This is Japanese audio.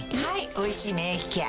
「おいしい免疫ケア」